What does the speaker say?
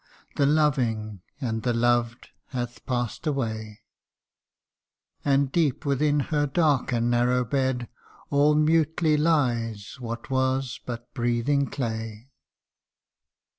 The loving and the loved hath pass'd away, And deep within her dark and narrow bed All mutely lies what was but breathing clay.